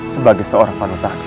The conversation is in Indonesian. sebagai seorang padatanku